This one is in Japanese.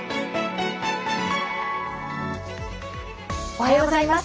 おはようございます。